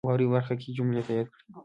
واورئ برخه کې جملې تایید کړئ.